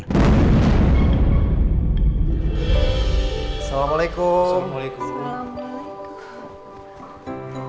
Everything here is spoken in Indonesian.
berarti bener iqbal nyulik andin